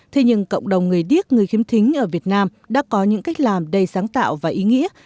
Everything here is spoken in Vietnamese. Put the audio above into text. thế nhưng cộng đồng người điếc người khiếm thính ở việt nam đã có những cách làm đầy sáng tạo và ý nghĩa